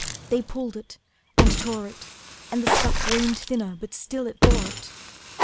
They pulled it, and tore it, And the stuff waned thinner, but still it bore it.